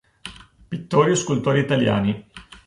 Pittori e scultori italiani.